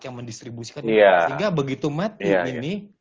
yang mendistribusikan sehingga begitu mati ini